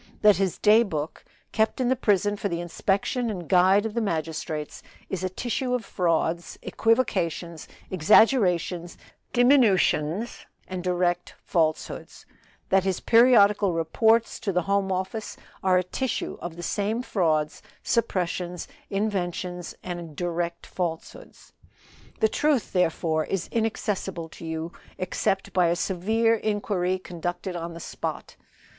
That his day book, kept in the prison for the inspection and guide of the magistrates, is a tissue of frauds, equivocations, exaggerations, diminutions and direct falsehoods; that his periodical reports to the Home Office are a tissue of the same frauds, suppressions, inventions, and direct falsehoods. "The truth, therefore, is inaccessible to you, except by a severe inquiry conducted on the spot.